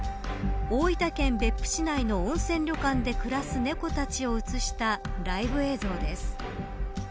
大分県、別府市内の温泉旅館で暮らす猫たちを映したライブ映像です。